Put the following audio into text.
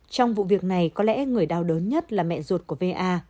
trong vụ việc này có lẽ người đau đớn nhất là mẹ ruột của bé a